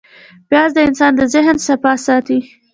پیاز د انسان د ذهن صفا ساتي